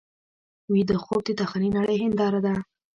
ویده خوب د داخلي نړۍ هنداره ده